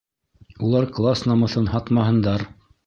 Улар класс намыҫын һатмаһындар!